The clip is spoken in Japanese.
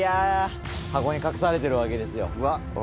箱に隠されてるわけですよ。